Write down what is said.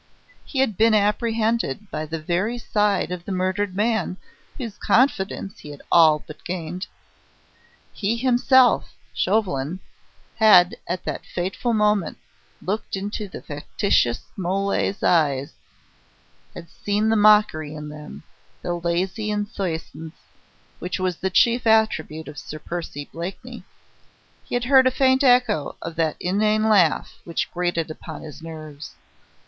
He had been apprehended by the very side of the murdered man whose confidence he had all but gained. He himself (Chauvelin) had at that fateful moment looked into the factitious Mole's eyes, had seen the mockery in them, the lazy insouciance which was the chief attribute of Sir Percy Blakeney. He had heard a faint echo of that inane laugh which grated upon his nerves.